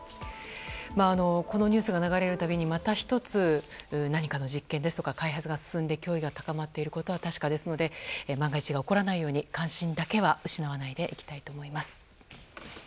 このニュースが流れる度にまた１つ何かの実験ですとか開発が進んで脅威が高まっていることは確かですので万が一が起こらないように関心だけは失わないでいきたいと思います。